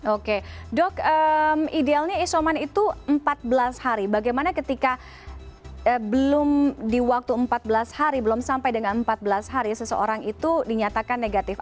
oke dok idealnya isoman itu empat belas hari bagaimana ketika belum di waktu empat belas hari belum sampai dengan empat belas hari seseorang itu dinyatakan negatif